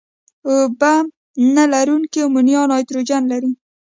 اوبه نه لرونکي امونیا نایتروجن لري.